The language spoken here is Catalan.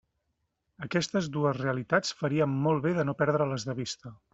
Aquestes dues realitats faríem molt bé de no perdre-les de vista.